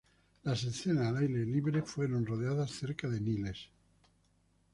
Las escenas al aire libre fueron rodadas cerca de Niles.